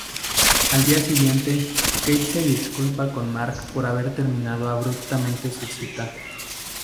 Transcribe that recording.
Al día siguiente Kate se disculpa con Mark por haber terminado abruptamente su cita.